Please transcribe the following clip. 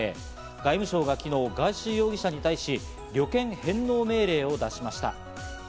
外務省が昨日、ガーシー容疑者に対し旅券返納命令を出しました。